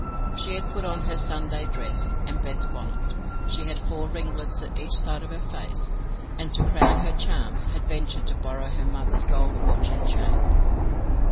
She had put on her Sunday dress and best bonnet; she had four ringlets at each side of her face; and to crown her charms, had ventured to borrow her mother's gold watch and chain.